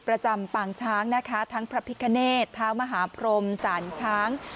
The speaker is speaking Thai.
ประจำปางช้างนะคะทั้งพระพิคเนตเท้ามหาพรมศาลช้าง